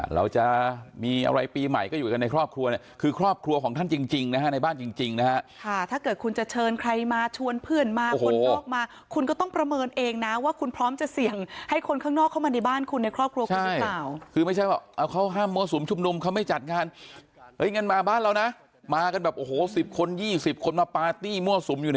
แล้วจะมีอะไรปีใหม่ก็อยู่กันในครอบครัว